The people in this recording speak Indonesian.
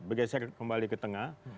bergeser kembali ke tengah